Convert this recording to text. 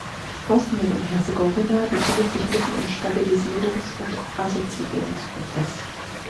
Bosnien und Herzegowina befindet sich mitten im Stabilisierungs- und Assoziierungsprozess.